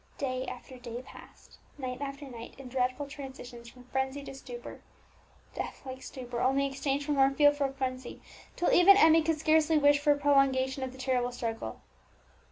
Day after day passed, night after night, in dreadful transitions from frenzy to stupor, deathlike stupor, only exchanged for more fearful frenzy, till even Emmie could scarcely wish for a prolongation of the terrible struggle.